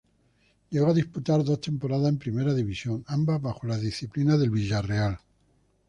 Llegó a disputar dos temporadas en Primera División, ambas bajo la disciplina del Villarreal.